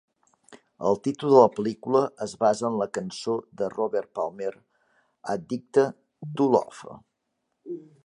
El títol de la pel·lícula es basa en la cançó de Robert Palmer "Addicted to Love".